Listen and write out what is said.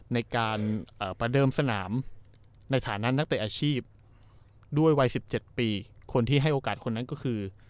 ในการประเดิมสนามในฐานะนักเตะอาชีพด้วยวัย๑๗ปีคนที่ให้โอกาสคนนั้นก็คือ